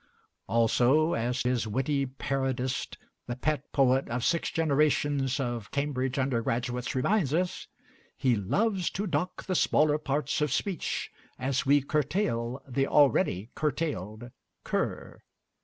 Also, as his witty parodist, the pet poet of six generations of Cambridge undergraduates, reminds us: He loves to dock the smaller parts of speech, As we curtail the already cur tailed cur."